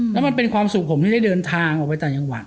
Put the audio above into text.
แล้วมันเป็นความสุขผมที่ได้เดินทางออกไปต่างจังหวัด